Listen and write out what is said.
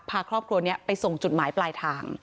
พาครอบครัวนี้ไปส่งจุดหมายปลายทาง